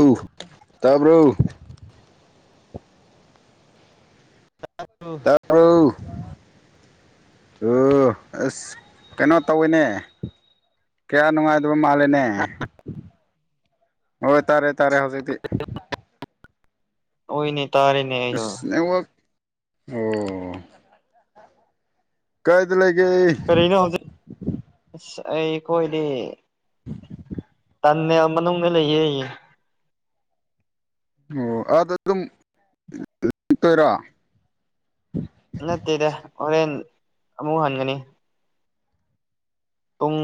ꯎꯨ ꯇꯥꯕ꯭ꯔꯣ ꯑ ꯇꯥꯕ꯭ꯔꯣ ꯑꯣ ꯑꯁ ꯀꯩꯅꯣ ꯇꯧꯋꯤꯅꯦ ꯀꯌꯥ ꯅꯨꯡꯉꯥꯏ ꯑꯗꯨ ꯃꯥꯜꯂꯦꯅꯦ ꯍꯣꯏ ꯇꯥꯔꯦ ꯇꯥꯔꯦ ꯍꯧꯖꯤꯛꯇꯤ ꯑꯣꯏꯅꯦ ꯇꯥꯔꯦꯅꯦ ꯑꯩꯁꯨ ꯑꯁ ꯅꯦꯠꯋꯥꯛ ꯑꯣ ꯀꯥꯢꯗ ꯂꯩꯒꯦ ꯑꯩ ꯀꯣꯏꯗꯦ ꯇꯜꯂꯦ ꯃꯅꯨꯡꯗ ꯂꯩꯌꯦ ꯑꯣ ꯑꯥꯗ ꯑꯗꯨꯝ ꯂꯦꯛꯇꯣꯢꯔꯣ ꯅꯠꯇꯦꯗ ꯍꯣꯔꯦꯟ ꯑꯃꯨꯛ ꯍꯟꯒꯅꯤ ꯄꯨꯡ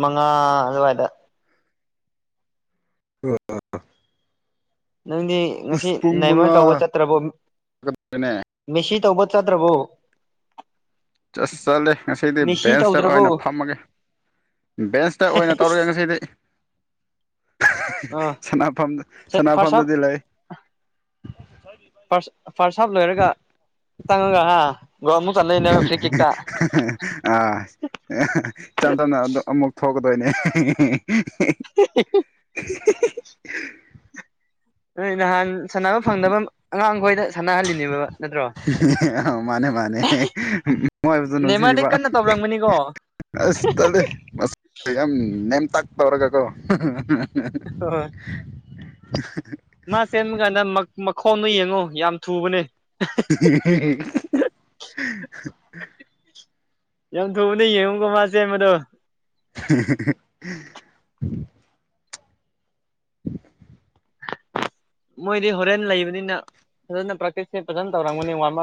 ꯃꯉꯥ ꯑꯗꯨꯋꯥꯏꯗ [unintelligible] ꯅꯪꯗꯤ ꯉꯁꯤ ꯏꯁ ꯄꯨꯡ ꯅꯦꯃꯥꯔ ꯇꯧꯕ ꯃꯉꯥ ꯆꯠꯇ꯭ꯔꯕꯣ ꯅꯦ ꯃꯦꯁꯤ ꯇꯧꯕ ꯆꯠꯇ꯭ꯔꯥꯕꯣ ꯆꯠ ꯁꯜꯂꯦ ꯉꯁꯤꯗꯤ ꯕꯦꯟꯁꯇ ꯑꯣꯏꯅ ꯐꯝꯃꯒꯦ ꯕꯦꯟꯁꯇ ꯑꯣꯏꯅ ꯇꯧꯔꯒꯦ ꯉꯁꯤꯗꯤ ꯍꯥꯍꯥ ꯑꯥ ꯁꯥꯅꯐꯝ ꯐꯥꯔꯁ ꯍꯥꯞ ꯁꯥꯅꯐꯝꯗꯗꯤ ꯂꯩꯌꯦ ꯐꯥꯔꯁ ꯐꯥꯔꯁ ꯍꯥꯞ ꯂꯣꯏꯔꯒ ꯇꯪꯔꯥꯍꯥ ꯒꯣꯟ ꯆꯥꯅꯩꯔꯥ ꯐꯔꯤ ꯀꯤꯛꯇ ꯑꯥ ꯏꯆꯝ ꯆꯝꯅ ꯑꯃꯨꯛ ꯊꯣꯛꯀꯗꯣꯏꯅꯦ ꯍꯥꯍꯥ ꯍꯤꯍꯤ [unintelligible] ꯅꯣꯏ ꯅꯍꯥꯟ ꯁꯥꯟꯅꯕ ꯐꯪꯗꯕ ꯑꯉꯥꯡꯈꯣꯏꯗ ꯁꯥꯟꯅꯍꯜꯂꯤꯅꯦꯕ ꯅꯠꯇ꯭ꯔꯣ ꯍꯦꯍꯥꯍꯥꯍꯥ ꯃꯥꯅꯦ ꯃꯥꯅꯦ ꯃꯣꯏꯕꯨꯁꯨ ꯅꯦꯃꯥꯔꯗꯤ ꯅꯨꯡꯁꯤꯕ ꯀꯟꯅ ꯍꯥꯍꯥꯍꯤ ꯇꯧꯔꯝꯒꯅꯤꯀꯣ ꯑꯥꯁ ꯇꯜꯂꯦ ꯃꯁꯛ ꯇꯣ ꯌꯥꯝ ꯅꯦꯝ ꯇꯛ ꯇꯧꯔꯒ ꯀꯣ ꯍꯣꯏ ꯍꯥꯍꯥꯍꯥꯍꯥ ꯃꯥ ꯆꯦꯟꯕ ꯀꯥꯟꯗ ꯃꯈꯣꯡꯗꯣ ꯌꯦꯡꯉꯣ ꯌꯥꯝ ꯊꯨꯕꯅꯦ [unintelligible] ꯍꯥꯍꯥꯍꯥꯍꯥ ꯌꯥꯝ ꯊꯨꯕꯅꯦ ꯌꯦꯡꯉꯨꯀꯣ ꯃꯥ ꯆꯦꯟꯕꯗꯣ [unintelligible] ꯍꯥꯍꯥꯍꯥ ꯃꯣꯏꯗꯤ ꯍꯣꯔꯦꯟ ꯂꯩꯕꯅꯤꯅ ꯐꯖꯅ ꯄ꯭ꯔꯛꯇꯤꯁ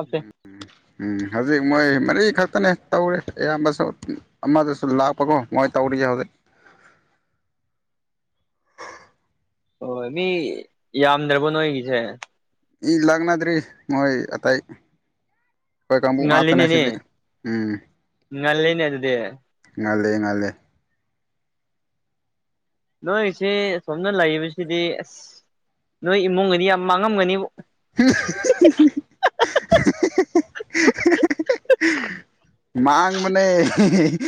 ꯎꯝ ꯎꯝ ꯎꯝ ꯍꯧꯖꯤꯛ ꯃꯣꯏ ꯃꯔꯤ ꯈꯛꯇꯅꯦ ꯇꯧꯔꯦ ꯑꯌꯥꯝꯕꯁꯨ ꯑꯃꯗꯁꯨ ꯂꯥꯛꯄꯀꯣ ꯃꯣꯏ ꯇꯧꯔꯤꯌꯦ ꯍꯧꯖꯤꯛ ꯍꯣꯢ ꯃꯤ ꯌꯥꯝꯗ꯭ꯔꯥꯕꯣ ꯅꯣꯏꯒꯤꯁꯦ ꯏ ꯂꯥꯛꯅꯗ꯭ꯔꯤ ꯃꯣꯏ ꯑꯇꯩꯥ ꯑꯩꯈꯣꯏ ꯀꯥꯡꯕꯨ ꯉꯥꯛꯇꯅꯦ ꯉꯜꯂꯤꯅꯦꯅꯦ ꯁꯤꯗꯤ ꯎꯝ ꯉꯜꯂꯤꯅꯦ ꯑꯗꯨꯗꯤ ꯉꯜꯂꯦ ꯉꯜꯂꯦ ꯅꯣꯏꯁꯦ ꯁꯣꯝꯗ ꯂꯩꯕꯁꯤꯗꯤ ꯑꯥꯁ ꯅꯣꯏ ꯏꯃꯨꯡꯒꯗꯤ ꯌꯥꯝ ꯃꯥꯡꯉꯝꯒꯅꯤꯕꯨ [unintelligible] ꯍꯥꯍꯥꯍꯥꯍꯥꯍꯥ ꯃꯥꯡꯕꯅꯦ ꯍꯥꯍꯥ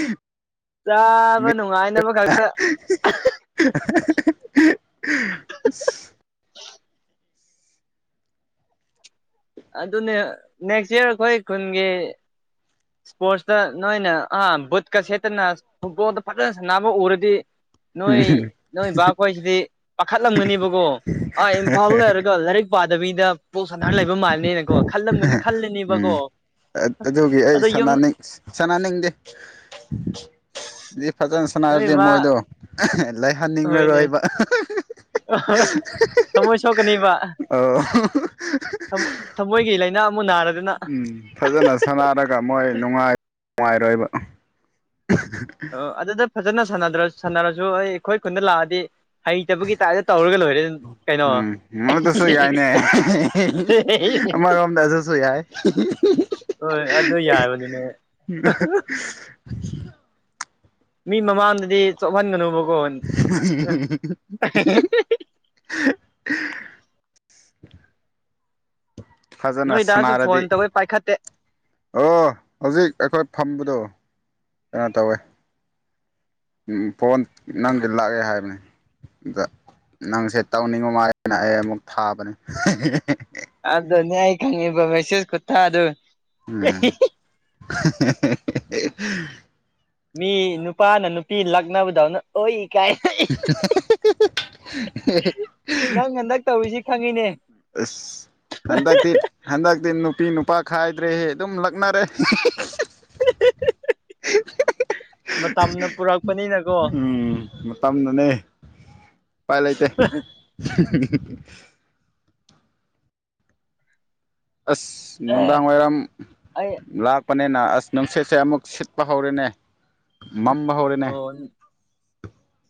ꯆꯥꯕ ꯅꯨꯡꯉꯥꯏꯅꯕ ꯈꯛꯇ [unintelligible] ꯍꯥꯍꯥꯍꯥꯍꯨꯍꯨꯍ ꯑꯗꯨꯅꯦ ꯅꯦꯛꯁ ꯌꯔ ꯑꯩꯈꯣꯏ ꯈꯨꯟꯒꯤ ꯁꯄꯣꯔꯠꯁꯇ ꯅꯣꯏꯅ ꯑꯥ ꯕꯨꯠꯀ ꯁꯦꯠꯇꯅ ꯐꯨꯠꯕꯣꯜꯗꯣ ꯐꯖꯅ ꯁꯥꯟꯅꯕ ꯎꯔꯗꯤ ꯅꯣꯏ ꯅꯣꯏ ꯕꯥꯈꯣꯏꯁꯤꯗꯤ ꯄꯥꯈꯠ ꯂꯝꯒꯅꯤꯕꯀꯣ ꯑꯥ ꯏꯝꯐꯥꯜ ꯂꯩꯔꯒ ꯂꯥꯔꯤꯛ ꯄꯥ ꯗꯕꯤꯗ ꯕꯣꯜ ꯁꯥꯟꯅꯔ ꯂꯩꯕ ꯃꯥꯜꯅꯤꯅꯀꯣ ꯈꯜꯂꯝꯒꯅꯤ ꯈꯜꯂꯅꯦꯕꯀꯣ ꯑꯗꯣ ꯌꯨꯝ ꯁꯥꯟꯅꯅꯤ ꯁꯥꯟꯅꯅꯤꯡꯗꯦ ꯐꯖꯥ ꯅꯣꯏ ꯁꯅꯥꯔꯗꯤ ꯃꯥ ꯃꯣꯏꯗꯣ ꯑꯍꯥ ꯂꯩꯍꯟꯅꯤꯡꯔꯥꯔꯣꯏꯕ ꯑꯍꯥ ꯍꯥ ꯊꯥꯃꯣꯏ ꯁꯣꯛꯀꯅꯤꯕ ꯑꯣ ꯊꯥꯃꯣꯏ ꯊꯥꯃꯣꯏꯒꯤ ꯂꯩꯏꯅꯥ ꯑꯃꯨꯛ ꯅꯥꯔ ꯎꯝ ꯐꯖꯅ ꯁꯥꯟꯅꯔꯒ ꯃꯣꯏ ꯅꯨꯡꯉꯥꯏ ꯅꯨꯡꯉꯥꯏꯔꯣꯏꯕ ꯑꯣ ꯑꯗꯨꯗ ꯐꯖꯅ ꯁꯥꯟꯅꯗ꯭ꯔꯥ ꯁꯥꯟꯅꯔꯁꯨ ꯑꯩ ꯑꯈꯣꯏ ꯈꯨꯟꯗ ꯂꯥꯛꯑꯗꯤ ꯍꯩꯇꯕꯒꯤ ꯇꯥꯏꯞꯇ ꯇꯧꯔꯒ ꯂꯣꯏꯔꯦ ꯀꯩꯅꯣ ꯎꯝ ꯑꯗꯨꯁꯨ ꯑꯍꯤꯍꯤꯍꯤ ꯌꯥꯏꯅꯦ ꯍꯦꯍꯦꯍ ꯍꯤꯍꯤ ꯑꯃꯔꯣꯝꯗ ꯑꯗꯨꯁꯨꯨ ꯌꯥꯏ ꯍꯤꯍꯤꯍꯤ ꯍꯣꯏ ꯑꯗꯨ ꯌꯥꯏꯕꯅꯤꯅꯦ ꯍꯥꯍꯥꯍꯨ ꯃꯤ ꯃꯃꯥꯡꯗꯗꯤ ꯆꯣꯞꯍꯟꯒꯅꯨꯕꯀꯣ ꯑꯍꯥꯍꯥ ꯍꯥꯍꯥ [inaudible] ꯍꯥꯍꯥꯍꯥ ꯐꯖꯅ ꯅꯣꯏꯗꯁꯨ ꯁꯥꯟꯅꯔꯗꯤ ꯐꯣꯟ ꯇꯧꯋꯦ ꯄꯥꯏꯈꯠꯇꯦ ꯑꯣ ꯍꯧꯖꯤꯛ ꯑꯩꯈꯣꯏ ꯐꯝꯕꯗꯣ ꯑ ꯇꯧꯋꯦ ꯎꯝ ꯎꯝ ꯐꯣꯟ ꯎꯝ ꯅꯪꯒꯤ ꯂꯥꯛꯑꯦ ꯍꯥꯏꯕꯅꯦ ꯗ ꯅꯪꯁꯦ ꯇꯧꯅꯤꯡꯕ ꯃꯥꯜꯂꯦꯅ ꯑꯩ ꯑꯃꯨꯛ ꯊꯥꯕꯅꯦ ꯑꯦꯍꯦꯍꯦ ꯑꯗꯨ ꯅꯦ ꯑꯩ ꯈꯪꯉꯦꯕ ꯃꯦꯁꯦꯁ ꯈꯨꯠꯇ ꯑꯗꯨ ꯑꯦꯍꯦꯍꯦ [unintelligible] ꯍꯥꯍꯥꯍꯥꯍꯥ ꯃꯤ ꯅꯨꯄꯥꯅ ꯅꯨꯄꯤ ꯂꯛꯅꯕꯗꯧꯅ ꯑꯣꯏ ꯀꯥꯏ [unintelligible] ꯅꯪ ꯍꯟꯗꯛ ꯇꯧꯔꯤꯁꯤ ꯈꯪꯉꯤꯅꯦ ꯑꯁ ꯍꯟꯗꯛꯇꯤ ꯍꯟꯗꯛꯇꯤ ꯅꯨꯄꯤ ꯅꯨꯞ ꯄꯥ ꯈꯥꯏꯗ꯭ꯔꯦꯍꯦ ꯑꯗꯨꯝ ꯂꯛꯅꯔꯦ [unintelligible] ꯃꯇꯝꯅ ꯄꯨꯔꯛꯄꯅꯤꯅꯀꯣ [unintelligible] ꯎꯝ ꯃꯇꯝꯅꯅꯦ ꯄꯥꯏ ꯂꯩꯇꯦ [unintelligible] ꯑꯁ ꯑꯦ ꯅꯨꯡꯗꯥꯡ ꯋꯥꯏꯔꯝ ꯑꯩ ꯂꯥꯥꯛ ꯄꯅꯦꯅ ꯑꯁ ꯅꯨꯡꯁꯤꯠꯁꯦ ꯑꯃꯨꯛ ꯁꯤꯠꯄ ꯍꯧꯔꯦꯅꯦ ꯃꯝꯕ ꯍꯧꯔꯦꯅꯦ ꯑꯣ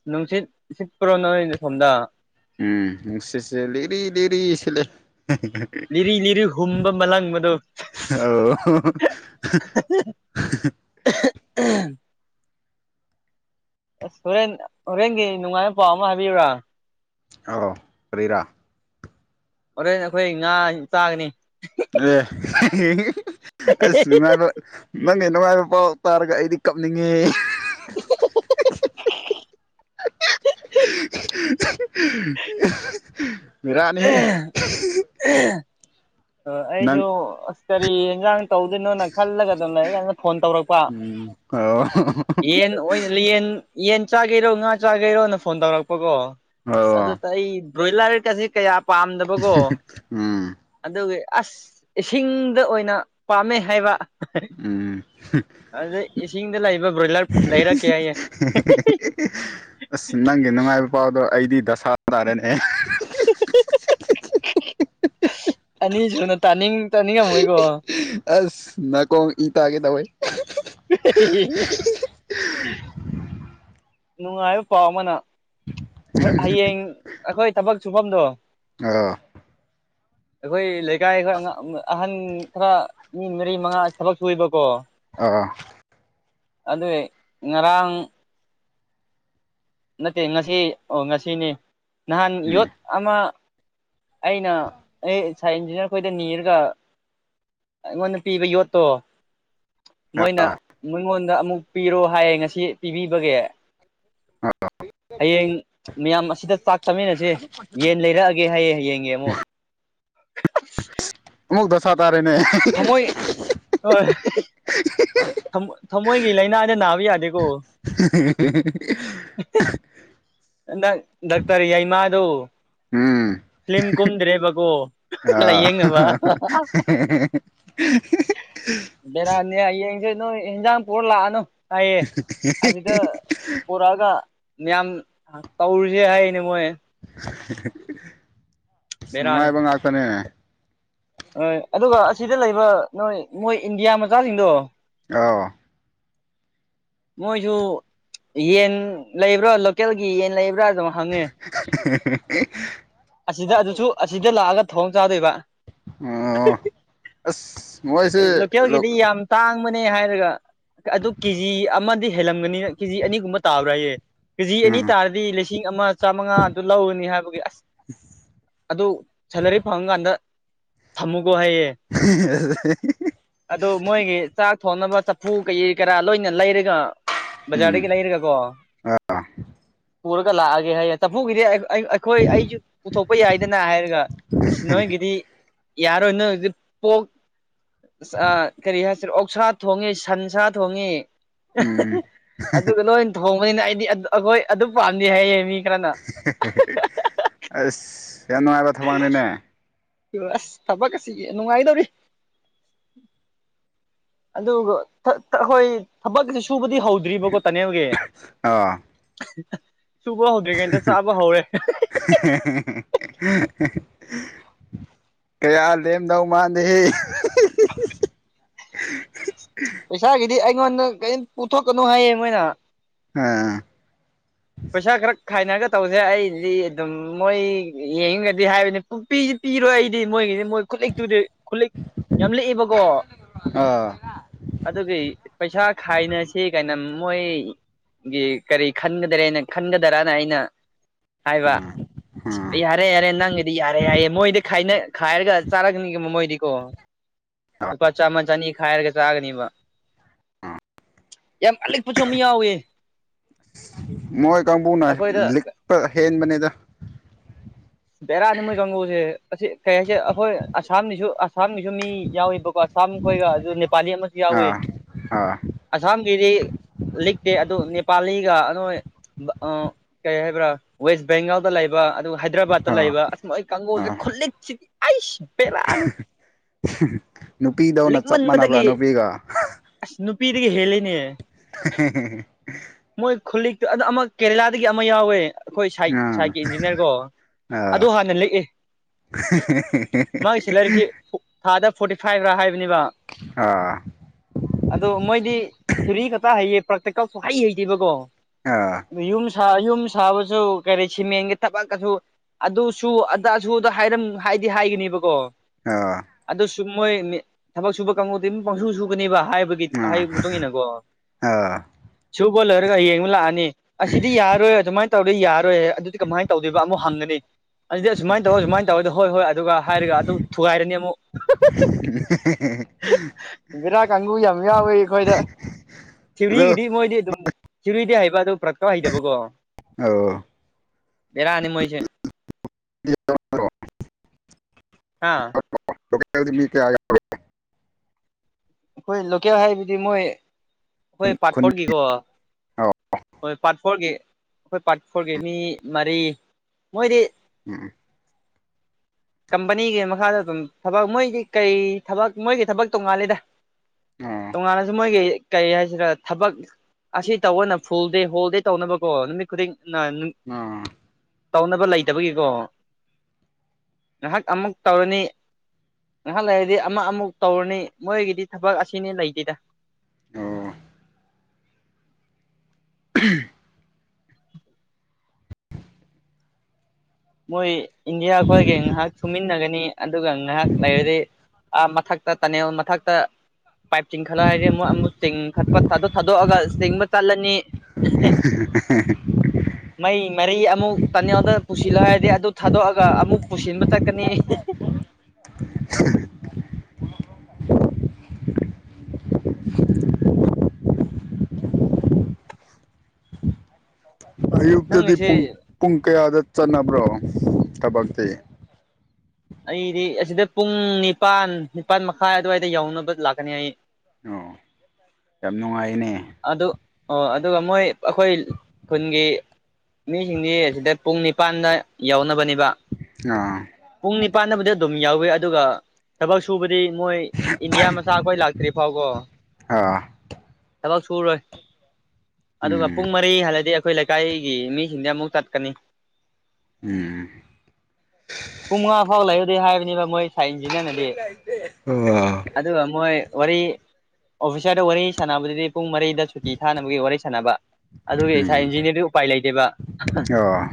ꯅꯨꯡꯁꯤꯠ ꯁꯤꯠ ꯄꯔꯣ ꯅꯣꯢ ꯁꯣꯝꯗ ꯎꯝ ꯅꯨꯡꯁꯤꯠꯁꯦ ꯂꯤꯔꯤ ꯂꯤꯔꯤ ꯁꯤꯠꯂꯦ ꯂꯤꯔꯤ ꯂꯤꯔꯤ ꯍꯨꯝꯕ ꯃꯂꯪꯕꯗꯣ ꯑꯣ [unintelligible] [unintelligible] ꯑꯁ ꯍꯣꯔꯦꯟ ꯍꯣꯔꯦꯟꯒꯤ ꯅꯨꯡꯉꯥꯏꯕ ꯄꯥꯎ ꯑꯃ ꯍꯥꯏꯕꯤꯌꯨꯔꯥ ꯑꯥꯎ ꯀꯔꯤꯔꯥ ꯍꯣꯔꯦꯟ ꯑꯈꯣꯏ ꯉꯥ ꯆꯥꯒꯅꯤ ꯑꯦ [unintelligible] ꯑꯁ ꯅꯨꯡꯉꯥꯏꯕ ꯅꯪꯒꯤ ꯅꯨꯡꯉꯥꯏꯕ ꯄꯥꯎ ꯇꯥꯔꯒ ꯑꯩꯗꯤ ꯀꯞꯅꯤꯡꯉꯦ [unintelligible] [unintelligible] ꯕꯦꯔꯅꯦ [unintelligible] ꯑ ꯑꯩꯁꯨ ꯑꯁ ꯀꯔꯤ ꯌꯦꯖꯥꯡ ꯇꯧꯗꯣꯏꯅꯣꯅ ꯈꯜꯂꯒꯗ ꯗꯨꯝ ꯂꯩꯔꯤ ꯀꯥꯟꯗ ꯐꯣꯟ ꯇꯧꯔꯛꯄ ꯎꯝ ꯑꯣ ꯌꯦꯟ ꯑꯣꯏꯅ ꯌꯦꯟ ꯌꯦꯟ ꯆꯥꯒꯦꯔꯣ ꯉꯥ ꯆꯥꯒꯦꯔꯣꯅ ꯐꯣꯟ ꯇꯧꯔꯛꯄꯀꯣ ꯑꯁ ꯑꯣ ꯑꯗꯨꯗ ꯑꯩ ꯕ꯭ꯔꯣꯏꯂꯔ ꯀꯁꯦ ꯀꯌꯥ ꯄꯥꯝꯗꯕꯀꯣ ꯎꯝ ꯑꯗꯨꯒꯤ ꯑꯁ ꯏꯁꯤꯡꯗ ꯑꯣꯏꯅ ꯄꯥꯝꯃꯦ ꯍꯥꯏꯕ ꯎꯝ ꯑꯗ ꯏꯁꯤꯡꯗ ꯂꯩꯕ ꯕ꯭ꯔꯣꯏꯂꯔ ꯂꯩꯔꯛꯀꯦ ꯍꯥꯏꯌꯦ [unintelligible] ꯑꯁ ꯅꯪꯒꯤ ꯅꯨꯡꯉꯥꯏꯕ ꯄꯥꯎꯗꯣ ꯑꯩꯗꯤ ꯗꯁꯥ ꯇꯥꯔꯦꯅꯦ [unintelligible] [unintelligible] ꯑꯅꯤꯁꯨꯨꯅ ꯇꯥꯅꯤꯡ ꯇꯥꯅꯤꯡꯉꯝꯃꯣꯏꯀꯣ [unintelligible] ꯑꯁ ꯅꯀꯣꯡ ꯏ ꯇꯒꯦꯗꯧꯑꯦ [inaudible] ꯅꯨꯡꯉꯥꯏꯕ ꯄꯥꯎ ꯑꯃꯅ ꯍꯣ ꯍꯌꯦꯡ ꯑꯩꯈꯣꯏ ꯊꯕꯛ ꯁꯨꯐꯝꯗꯣ ꯑ [inaudible] ꯑꯩꯈꯣꯏ ꯂꯩꯒꯥꯏ ꯍꯣꯢ ꯑꯉꯥꯡ ꯑꯝ ꯑꯍꯟ ꯈꯔ ꯃꯤ ꯃꯔꯤ ꯃꯉꯥ ꯊꯕꯛ ꯁꯨꯢꯕꯀꯣ ꯑ ꯑ ꯑꯗꯨꯢ ꯉꯔꯥꯡ ꯅꯠꯇꯦ ꯉꯁꯤ ꯑꯣ ꯉꯁꯤꯅꯤ ꯅꯍꯥꯟ ꯎꯝ ꯌꯣꯠ ꯑꯃ ꯑꯩꯅ ꯑꯩ ꯁꯥꯏ ꯏꯟꯖꯤꯅꯤꯌꯥꯔ ꯈꯣꯏꯗ ꯅꯤꯔꯒ ꯑꯩꯉꯣꯟꯗ ꯄꯤꯕ ꯌꯣꯠꯇꯣ ꯃꯣꯏꯅ ꯃꯤꯉꯣꯟꯗ ꯑꯃꯨꯛ ꯄꯤꯔꯣ ꯍꯥꯏꯌꯦ ꯉꯁꯤ ꯄꯤꯕꯤꯕꯒꯤ ꯍꯌꯦꯡ ꯃꯤꯌꯥꯝ ꯑꯁꯤꯗ ꯆꯥꯛ ꯆꯥꯃꯤꯟꯅꯁꯦ ꯌꯦꯟ ꯂꯩꯔꯛꯑꯒꯦ ꯍꯥꯏꯌꯦ ꯍꯌꯦꯡꯒꯤ ꯑꯃꯨꯛ ꯑꯃꯨꯛ ꯗꯁꯥ ꯇꯥꯔꯦꯅꯦ ꯊꯃꯣꯏ ꯍꯣꯏ [unintelligible] ꯊꯃꯣꯏ ꯊꯃꯣꯏꯒꯤ ꯂꯥꯏꯅꯥꯗꯤ ꯅꯥꯕ ꯌꯥꯗꯦ [unintelligible] [unintelligible] ꯗꯥꯛꯇꯔ ꯌꯥꯏꯃꯥꯗꯨ ꯎꯝ ꯐ꯭ꯂꯤꯝ ꯀꯨꯝꯗ꯭ꯔꯦꯕꯀꯣ ꯍ ꯂꯥꯏꯌꯦꯡꯅꯕ ꯑꯍ ꯍꯥ ꯍꯦ ꯍꯦ ꯑꯍꯦ ꯕꯦꯔꯥꯅꯤ ꯍꯌꯦꯡꯖꯦ ꯅꯣꯏ ꯏꯟꯖꯥꯡ ꯄꯨꯔ ꯂꯥꯛꯑꯅꯨ ꯍꯥꯏꯌꯦ ꯑꯁꯤꯗ ꯄꯨꯔꯛꯑꯒ ꯃꯤꯌꯥꯝ ꯇꯧꯔꯨꯖꯦ ꯍꯥꯏꯌꯦꯅꯦ ꯃꯣꯏ ꯍ ꯍ ꯍ ꯕꯦꯔꯥꯅꯤ ꯅꯨꯡꯉꯥꯏꯕ ꯉꯥꯛꯇꯅꯦ ꯍꯣꯏ ꯑꯗꯨꯒ ꯑꯁꯤꯗ ꯂꯩꯕ ꯅꯣꯏ ꯃꯣꯏ ꯏꯟꯗꯤꯌꯥ ꯃꯆꯥꯁꯤꯡꯗꯣ ꯑꯥꯎ ꯃꯣꯏꯖꯨ ꯌꯦꯟ ꯂꯩꯕ꯭ꯔꯥ ꯂꯣꯀꯦꯜꯒꯤ ꯌꯦꯟ ꯂꯩꯕ꯭ꯔꯥ ꯍꯪꯉꯦ ꯑꯁꯤꯗ ꯑꯗꯨꯁꯨ ꯑꯁꯤꯗ ꯂꯥꯛꯑꯒ ꯊꯣꯡ ꯆꯥꯗꯣꯏꯕ ꯑꯣ ꯑꯁ ꯃꯣꯏꯁꯦ ꯑꯩ ꯂꯣꯀꯦꯜꯒꯤꯗꯤ ꯌꯥꯝ ꯇꯥꯡ ꯕꯅꯦ ꯍꯥꯏꯔꯒ ꯑꯗꯨ ꯀꯦꯖꯤ ꯑꯃꯗꯤ ꯍꯦꯜꯂꯝꯒꯅꯤ ꯀꯦꯖꯤ ꯑꯅꯤꯒꯨꯝꯕ ꯇꯥꯕ꯭ꯔꯥꯌꯦ ꯀꯦꯖꯤ ꯑꯅꯤ ꯎꯝ ꯇꯥꯔꯗꯤ ꯂꯤꯁꯤꯡ ꯑꯃ ꯆꯥꯝꯃꯉꯥ ꯑꯗꯨ ꯂꯧꯒꯅꯤ ꯍꯥꯏꯕꯒꯤ ꯑꯁ ꯑꯗꯨ ꯁꯦꯜꯂꯔꯤ ꯐꯪꯉꯀꯥꯟꯗ ꯊꯝꯃꯨ ꯍꯤ ꯍꯤ ꯍꯤ ꯍꯤ ꯍꯤ ꯑꯗꯨ ꯃꯣꯏꯒꯤ ꯆꯥꯛ ꯊꯣꯡꯅꯕ ꯆꯐꯨ ꯀꯩꯀꯩ ꯀꯔꯥ ꯂꯣꯏꯅ ꯂꯩꯔꯒ ꯎꯝ ꯕꯖꯥꯔꯗꯒꯤ ꯂꯩꯔꯒ ꯀꯣ ꯄꯨꯔꯒ ꯂꯥꯛꯑꯒꯦ ꯍꯥꯏꯌꯦ ꯆꯐꯨꯒꯤꯗꯤ ꯑꯩ ꯑꯩ ꯑꯩꯈꯣꯏ ꯑꯩꯖꯨ ꯄꯨꯊꯣꯛꯄ ꯌꯥꯏꯗꯅꯥ ꯍꯥꯏꯔꯒ ꯑꯁ ꯅꯣꯏꯒꯤꯗꯤ ꯌꯥꯔꯣꯏ ꯅꯣꯏ ꯍꯧꯖꯤꯛ ꯄꯣꯛ ꯑꯥ ꯀꯔꯤ ꯍꯥꯏꯁꯤꯔ ꯑꯣꯛ ꯑꯣꯛꯁꯥ ꯊꯣꯡꯉꯦ ꯁꯟꯁꯥ ꯊꯣꯡꯉꯦ ꯑꯍꯦ ꯎꯝ ꯍꯦ ꯑꯗꯨꯒ ꯂꯣꯏ ꯊꯣꯡꯕꯅꯦꯅ ꯑꯩ ꯗꯤ ꯑꯗꯨ ꯑꯈꯣꯏ ꯑꯗꯨ ꯄꯥꯝꯗꯤ ꯍꯥꯏꯌꯦ ꯃꯤ ꯈꯔꯅ ꯍꯦ ꯍꯦ ꯍꯦ ꯑꯁ ꯌꯥꯝ ꯅꯨꯡꯉꯥꯏꯕ ꯊꯕꯛꯅꯦꯅꯦ ꯑꯁ ꯊꯕꯛ ꯀꯁꯤ ꯅꯨꯡꯉꯥꯏꯗꯧꯔꯤ ꯑꯗꯨꯒ ꯊ ꯊ ꯍꯣꯏ ꯊꯕꯛꯇꯤ ꯁꯨ ꯁꯨꯕꯗꯤ ꯍꯧꯗ꯭ꯔꯤꯕꯀꯣ ꯇꯥꯅꯦꯜꯒꯤ ꯍ ꯍ ꯍꯦ ꯍꯦ ꯍꯦ ꯍꯦ ꯍꯦ ꯍꯦ ꯀꯌꯥ ꯂꯦꯝꯗꯧ ꯃꯥꯥꯟꯗꯦꯍꯦ ꯍꯥꯍꯥ ꯍꯦ ꯍꯤ ꯄꯩꯁꯥꯒꯤꯗꯤ ꯑꯩꯉꯣꯟꯗ ꯀꯩꯝ ꯄꯨꯊꯣꯛꯀꯅꯨ ꯍꯥꯏꯌꯦ ꯃꯣꯏꯅ ꯑꯥ ꯄꯩꯁꯥ ꯈꯔ ꯈꯥꯏꯅꯔꯒ ꯇꯧꯁꯦ ꯑꯩꯗꯤ ꯑꯗꯨꯝ ꯃꯣꯏ ꯌꯦꯡꯅꯤꯡꯗꯗꯤ ꯍꯥꯏꯕꯅꯤ ꯄꯨꯡꯄꯤꯗꯤ ꯄꯤꯔꯣꯏ ꯑꯩꯗꯤ ꯃꯣꯏꯒꯤꯗꯤ ꯃꯣꯏ ꯈꯨꯂꯤꯛꯇꯨꯗ ꯈꯨꯠꯂꯤꯛ ꯌꯥꯝ ꯂꯤꯛꯑꯦꯕꯀꯣ ꯑꯥ ꯑꯗꯨꯒꯤ ꯄꯩꯁꯥ ꯈꯥꯏꯅꯁꯤ ꯀꯥꯏꯅ ꯃꯣꯏ ꯒꯤ ꯀꯔꯤ ꯈꯟꯒꯗꯔꯦꯅ ꯈꯟꯒꯗ꯭ꯔꯅꯥ ꯑꯩꯅ ꯍꯥꯏꯕ ꯑꯁ ꯎꯝ ꯌꯥꯔꯦ ꯌꯥꯔꯦ ꯅꯪꯒꯤꯗꯤ ꯌꯥꯔꯦ ꯌꯥꯏꯌꯦ ꯃꯣꯏꯗꯤ ꯈꯥꯏꯅ ꯈꯥꯏꯔꯒ ꯆꯥꯔꯛꯅꯤ ꯃꯣ ꯃꯣꯏꯗꯤꯀꯣ ꯂꯨꯄꯥ ꯆꯥꯝꯃ ꯆꯥꯅꯤ ꯈꯥꯏꯔꯒ ꯆꯥꯒꯅꯤꯕ ꯌꯥꯝ ꯑꯂꯤꯛꯄꯖꯨ ꯃꯤ ꯌꯥꯎꯑꯦ ꯃꯣꯏ ꯀꯥꯡꯕꯨꯅ ꯂꯤꯛꯄ ꯍꯦꯟꯕꯅꯦꯗꯥ ꯕꯦꯔꯥꯅꯦꯃꯣꯏ ꯀꯪꯒꯨꯖꯦ ꯑꯁꯤ ꯀꯩ ꯍꯥꯏꯁꯦ ꯑꯩꯈꯣꯏ ꯑꯁꯥꯝꯒꯤꯁꯨ ꯑꯁꯥꯝꯒꯤꯁꯨ ꯃꯤ ꯌꯥꯎꯏꯕꯀꯣ ꯑꯁꯥꯝ ꯈꯣꯏꯒ ꯑꯗꯨ ꯅꯦꯄꯥꯂꯤ ꯑꯃꯁꯨ ꯌꯥꯎꯑꯦ ꯑꯥ ꯑꯥ ꯑꯁꯥꯝꯒꯤꯗꯤ ꯂꯤꯛꯇꯦ ꯑꯗꯨ ꯅꯦꯄꯥꯂꯤꯒ ꯅꯣꯏ ꯕ ꯑ ꯀꯩ ꯍꯥꯏꯕ꯭ꯔꯥ ꯋꯦꯁ ꯕꯦꯡꯒꯜꯗ ꯂꯩꯕ ꯑꯗꯨ ꯍꯥꯏ ꯇ ꯑꯥ ꯂꯩꯕ ꯑꯁ ꯃꯣꯏ ꯀꯥꯡꯕꯨꯁꯦ ꯑꯥ ꯈꯨꯂꯤꯛꯁꯤꯗꯤ ꯑꯩꯁ ꯕꯦꯔꯥꯅꯤ ꯅꯨꯄꯤꯗꯧꯅ ꯆꯞ ꯃꯥꯟꯅꯕ꯭ꯔꯥ ꯂꯤꯛꯃꯟꯕꯗꯒꯤ ꯅꯨꯄꯤꯒ ꯑꯁ ꯅꯨꯄꯤꯗꯒꯤ ꯍꯦꯜꯂꯦꯅꯦ ꯍꯦ ꯍꯦ ꯍꯦ ꯍꯦ ꯃꯣꯏ ꯈꯨꯜꯂꯤꯛꯇꯨ ꯑꯗꯨ ꯑꯃ ꯀꯦꯔꯦꯂꯥꯗꯒꯤ ꯑꯃ ꯌꯥꯎꯑꯦ ꯑꯩꯈꯣꯏ ꯁꯥꯏꯠ ꯑꯥ ꯁꯥꯏꯠꯀꯤ ꯏꯟꯖꯤꯅꯤꯌꯥꯔ ꯀꯣ ꯑꯥ ꯑꯗꯣ ꯍꯥꯟꯅ ꯂꯤꯛꯑꯦ ꯃꯥ ꯁꯤꯂꯥꯔꯤꯁꯦ ꯊꯥꯗ ꯐꯣꯔꯇꯤ ꯐꯥꯏꯕꯔꯥ ꯍꯥꯏꯕꯅꯤꯕ ꯑꯥ ꯑꯗꯨꯗ ꯃꯣꯏꯗꯤ ꯊꯤꯔꯤ ꯈꯛꯇ ꯍꯩꯌꯦ ꯄ꯭ꯔꯦꯛꯇꯤꯀꯦꯜ ꯁꯨꯍꯩ ꯍꯩꯇꯦꯕꯀꯣ ꯑꯥ ꯍꯥ ꯌꯨꯝ ꯁꯥꯕꯁꯨ ꯀꯔꯤ ꯁꯤꯃꯦꯟꯒꯤ ꯊꯕꯛꯀꯁꯨ ꯑꯗꯨꯁꯨ ꯑꯗꯥꯁꯨꯗ ꯍꯥꯏꯔꯝ ꯍꯥꯏꯗꯤ ꯍꯥꯏꯒꯅꯦꯕꯀꯣ ꯑ ꯁꯨꯝ ꯃꯣꯏ [unintelligible] ꯊꯕꯛ ꯁꯨꯕ ꯀꯥꯡꯉꯨꯗꯤ ꯑꯗꯨꯝ ꯄꯪꯁꯨ ꯁꯨꯒꯅꯤꯕ ꯍꯥꯏꯕꯒꯤ ꯑꯥ ꯍꯥꯏ ꯃꯇꯨꯡ ꯏꯟꯅꯀꯣ ꯑꯥ ꯁꯨꯕ ꯂꯣꯏꯔꯒ ꯍꯌꯦꯡꯕ ꯂꯥꯛꯑꯅꯤ ꯑꯁꯤꯗꯤ ꯌꯥꯔꯔꯣꯏ ꯑꯗꯨꯃꯥꯏꯅ ꯇꯧꯔꯗꯤ ꯌꯥꯔꯔꯣꯏ ꯑꯗꯨꯗꯤ ꯀꯃꯥꯏ ꯇꯧꯗꯣꯏꯕ ꯑꯃꯨꯛ ꯍꯪꯒꯅꯤ ꯑꯗꯨꯗꯤ ꯑꯁꯨꯃꯥꯏ ꯇꯧꯑꯣ ꯁꯨꯃꯥꯏꯅ ꯇꯧꯑꯣꯗꯤ ꯍꯣꯏ ꯍꯣꯏ ꯑꯗꯨꯒ ꯍꯥꯏꯔꯒ ꯑꯗꯨ ꯊꯨꯒꯥꯏꯔꯅꯤ ꯑꯃꯨꯛ ꯍ ꯍ ꯍꯥ [unintelligible] ꯕꯦꯔꯥ ꯀꯥꯡꯕꯒꯨ ꯌꯥꯝ ꯌꯥꯎꯋꯦ ꯑꯩꯈꯣꯏꯗ ꯑꯗꯨ ꯊꯤꯌꯣꯔꯤꯒꯤ ꯗꯤ ꯃꯣꯏꯗꯤ ꯑꯗꯨꯝ ꯊꯤꯌꯨꯔꯤꯗꯤ ꯍꯩꯕ ꯑꯗꯨ ꯄ꯭ꯔꯛꯀꯜ ꯍꯩꯗꯕꯀꯣ ꯑꯣ ꯕꯦꯔꯥꯅꯦ ꯃꯣꯏꯁꯦ ꯅꯠꯇ꯭ꯔꯣ ꯍꯥ [unintelligible] ꯃꯤ ꯀꯌꯥ ꯌꯥꯎꯒꯦ ꯑꯩꯈꯣꯏ ꯂꯣꯀꯦꯜ ꯍꯥꯏꯕꯗꯤ ꯃꯣꯏ ꯑꯩꯈꯣꯏ ꯄꯥꯔꯠ ꯈꯨꯟ ꯐꯣꯔꯒꯤꯀꯣ ꯑꯣ ꯍꯣꯏ ꯄꯥꯔꯠ ꯐꯣꯔꯒꯤ ꯑꯩꯈꯣꯏ ꯄꯥꯔꯠ ꯐꯣꯔꯒꯤ ꯃꯤ ꯃꯔꯤ ꯃꯣꯏꯗꯤ ꯎꯝ ꯀꯝꯄꯅꯤꯒꯤ ꯃꯈꯥꯗ ꯑꯗꯨꯝ ꯊꯕꯛ ꯃꯣꯏꯒꯤ ꯀꯩ ꯊꯕꯛ ꯃꯣꯏꯒꯤ ꯊꯕꯛ ꯇꯣꯡꯉꯥꯜꯂꯤꯗ ꯑꯣ ꯇꯣꯉꯥꯟꯂꯁꯨ ꯃꯣꯏꯒꯤ ꯀꯩ ꯍꯥꯏꯁꯤꯔ ꯊꯕꯛ ꯑꯁꯤ ꯇꯧꯕꯅ ꯐꯨꯜ ꯗꯦ ꯍꯣꯜ ꯗꯦ ꯇꯧꯅꯕꯀꯣ ꯅꯨꯃꯤꯠ ꯈꯨꯗꯤꯡ ꯅ ꯅꯨꯡ ꯑꯥ ꯇꯧꯅꯕ ꯂꯩꯇꯕꯒꯤꯀꯣ ꯉꯍꯥꯛ ꯑꯃꯨꯛ ꯇꯧꯔꯅꯤ ꯉꯥꯏꯍꯥꯛ ꯂꯩꯔꯗꯤ ꯑꯃ ꯑꯃꯨꯛ ꯇꯧꯔꯅꯤ ꯃꯣꯏꯒꯤꯗꯤ ꯊꯕꯛ ꯑꯁꯤꯅꯤ ꯂꯩꯇꯦꯗ [inaudible] ꯑꯣ ꯃꯣꯏ ꯏꯟꯗꯤꯌꯥ ꯈꯣꯏꯒꯤ ꯉꯥꯏꯍꯥꯛ ꯊꯨꯃꯤꯟꯅꯒꯅꯤ ꯑꯗꯨꯒ ꯉꯥꯏꯍꯥꯛ ꯂꯩꯔꯗꯤ ꯑ ꯃꯊꯛꯇ ꯇꯅꯦꯜ ꯃꯊꯛꯇ ꯄꯥꯏꯞ ꯆꯤꯡꯈꯠꯂ ꯍꯥꯏꯗꯤ ꯑꯃꯨꯛ ꯑꯃꯨꯛ ꯆꯤꯡꯈꯠꯄ ꯑꯗꯨ ꯊꯥꯗꯣꯛꯑꯒ ꯆꯤꯡꯕ ꯆꯠꯂꯅꯤ [unintelligible] ꯑꯍꯦ ꯍꯦ ꯃꯩ ꯃꯔꯤ ꯑꯃꯨꯛ ꯇꯅꯦꯜꯗ ꯄꯨꯁꯤꯜꯂꯣ ꯍꯥꯏꯔꯗꯤ ꯑꯗꯨ ꯊꯥꯗꯣꯛꯑꯒ ꯑꯃꯨꯛ ꯄꯨꯁꯤꯟꯕ ꯆꯠꯀꯅꯤ ꯍꯦ ꯍꯦ [unintelligible] ꯑꯌꯨꯛꯇꯗꯤ ꯄꯨꯡ ꯅꯪꯒꯤꯁꯦ ꯄꯨꯡ ꯀꯌꯥꯗ ꯆꯠꯅꯕ꯭ꯔꯣ ꯊꯕꯛꯇꯤ ꯑꯩꯗꯤ ꯑꯁꯤꯗ ꯄꯨꯡ ꯅꯤꯄꯥꯟ ꯅꯤꯄꯥꯟ ꯃꯈꯥꯏ ꯑꯗꯨꯋꯥꯏꯗ ꯌꯧꯅꯕ ꯂꯥꯛꯀꯅꯤ ꯑꯩ ꯑꯣ ꯌꯥꯝ ꯅꯨꯡꯉꯥꯏꯅꯦ ꯑꯗꯨ ꯑꯣ ꯑꯗꯨꯒ ꯃꯣꯏ ꯑꯩꯈꯣꯏ ꯈꯨꯟꯒꯤ ꯃꯤꯁꯤꯡꯗꯤ ꯑꯁꯤꯗ ꯄꯨꯡ ꯅꯤꯄꯥꯟꯗ ꯌꯥꯎꯅꯕꯅꯤ ꯗꯨꯒ ꯑꯥ ꯄꯨꯡ ꯅꯤꯄꯥꯟꯗꯕꯨꯗꯤ ꯑꯗꯨꯝ ꯌꯧꯋꯦ ꯑꯗꯨꯒ ꯊꯕꯛ ꯁꯨꯕ ꯗꯤ ꯃꯣꯏ ꯏꯟꯗꯤꯌꯥ ꯃꯆꯥ ꯈꯣꯏ ꯂꯥꯛꯇ꯭ꯔꯤ ꯐꯥꯎꯀꯣ ꯑꯥ ꯊꯕꯛ ꯁꯨꯔꯣꯏ ꯑꯗꯨꯒ ꯎꯝ ꯄꯨꯡ ꯃꯔꯤ ꯍꯜꯂꯗꯤ ꯈꯣꯏ ꯂꯩꯀꯥꯏꯒꯤ ꯃꯤꯁꯤꯡꯗꯤ ꯑꯃꯨꯛ ꯆꯠꯀꯅꯤ ꯎꯝ ꯄꯨꯡ ꯃꯉꯥ ꯐꯥꯎ ꯂꯩꯌꯣꯗꯤ ꯍꯥꯏꯕꯅꯤꯕ ꯃꯣꯏ ꯁꯥꯏ ꯏꯟꯖꯤꯅꯤꯌꯥꯔꯅꯗꯤ ꯑꯥ ꯑꯗꯨꯒ ꯃꯣꯏ ꯋꯥꯔꯤ ꯑꯣꯐꯤꯁꯥꯔꯗ ꯋꯥꯔꯤ ꯁꯥꯟꯅꯕꯗꯨꯗꯤ ꯄꯨꯡ ꯃꯔꯤꯗ ꯁꯨꯇꯤ ꯊꯥꯅꯕꯒꯤ ꯋꯥꯔꯤ ꯁꯥꯟꯅꯕ ꯑꯗꯨꯒꯤ ꯎꯝ ꯁꯥ ꯏꯟꯖꯤꯅꯤꯌꯔꯗꯨꯗꯤ ꯎꯄꯥꯏ ꯂꯩꯇꯦꯕ ꯑꯍꯥ ꯑꯥ